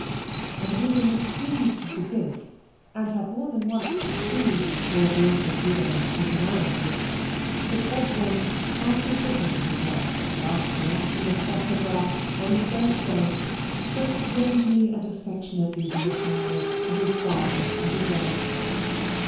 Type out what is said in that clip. And William was pleased to think, and had more than once soothed poor George's widow with the narrative, that Osborne, after quitting his wife, and after the action of Quatre Bras, on the first day, spoke gravely and affectionately to his comrade of his father and his wife.